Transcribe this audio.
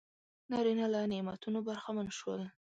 نارینه له نعمتونو برخمن شول.